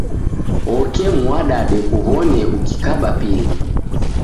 Oke muadade kuw'one ukikaba pindu.